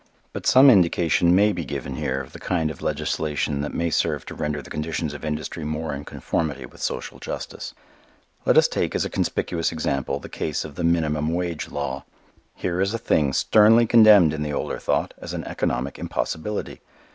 But some indication may be given here of the kind of legislation that may serve to render the conditions of industry more in conformity with social justice. Let us take, as a conspicuous example, the case of the Minimum wage law. Here is a thing sternly condemned in the older thought as an economic impossibility.